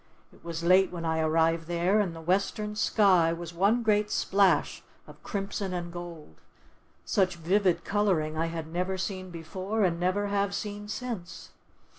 It was late when I arrived there, and the western sky was one great splash of crimson and gold—such vivid colouring I had never seen before and never have seen since.